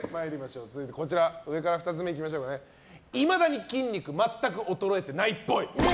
続いて、上から２つ目いまだに筋肉全く衰えてないっぽい。